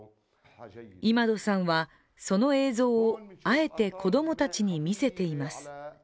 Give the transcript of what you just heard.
イマドさんは、その映像をあえて子供たちに見せています。